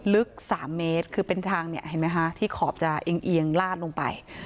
ลึก๓เมตรคือเป็นทางที่ขอบจะเอียงลาดลงไป